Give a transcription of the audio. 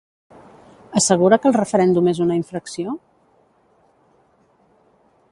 Assegura que el referèndum és una infracció?